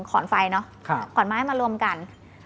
ขอนไฟเนอะขอนไม้มารวมกัน